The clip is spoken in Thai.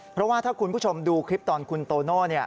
เพราะว่าถ้าคุณผู้ชมดูคลิปตอนคุณโตโน่